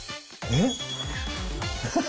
えっ？